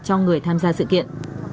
cho người tham gia sự kiện